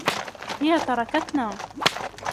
هي تركتنا.